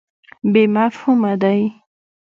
بې مفهومه دی.